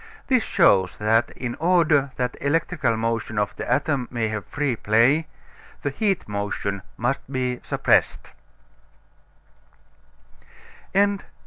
This shows that, in order that electrical motion of the atom may have free play, the heat motion must be suppressed.